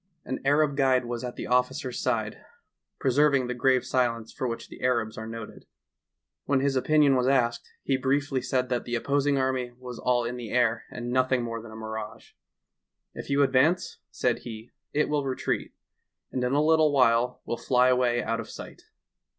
An Arab guide was at the officer's side, preserv ing the grave silence for which the Arabs are noted. When his opinion was asked, he briefly said that the opposing army was all in the air and nothing more than a mirage. "If you advance," said he, "it will retreat, and in a little while will fly away out of sight."